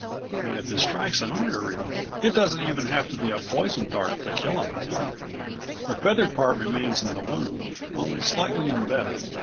And if it strikes an artery It doesn't even have to be a poisoned dart to kill a man. The feathered part remains in the wound, only slightly embedded.